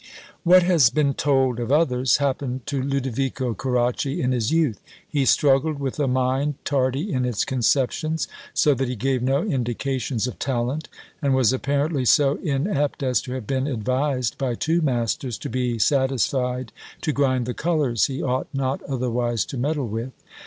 What has been told of others, happened to Lodovico Caracci in his youth; he struggled with a mind tardy in its conceptions, so that he gave no indications of talent; and was apparently so inept as to have been advised by two masters to be satisfied to grind the colours he ought not otherwise to meddle with.